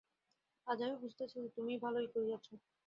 আজ আমি বুঝিতেছি যে, তুমি ভালোই করিয়াছ।